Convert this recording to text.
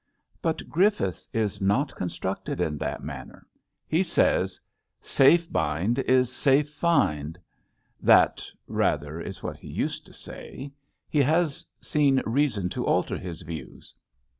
But Griffiths is not constructed in that manner. He says :^* Safe bind is safe find.'' That, rather, is what he used to say. He has seen reason to alter his views.